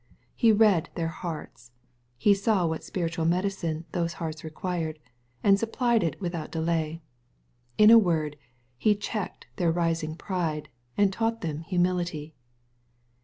He read their hearts. He saw what spiritual medicine those hearts required, and supplied it without delay. In a word, He checked their rising pride, and taught them humility.